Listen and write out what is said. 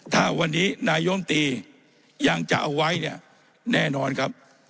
ถ้าวันนี้นายมตรียังจะเอาไว้เนี่ยแน่นอนครับ